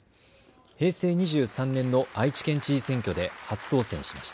平成２３年の愛知県知事選挙で初当選しました。